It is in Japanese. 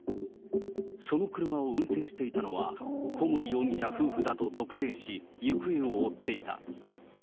その車を運転していたのは、小森容疑者夫婦だと特定し、行方を追っていた。